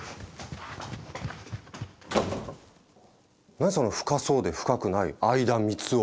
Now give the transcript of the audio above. なにその深そうで深くない相田みつを。